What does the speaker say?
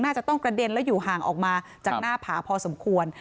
จะต้องกระเด็นแล้วอยู่ห่างออกมาจากหน้าผาพอสมควร